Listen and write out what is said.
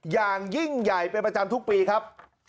อย่างยิ่งใหญ่เป็นประจำทุกปีครับ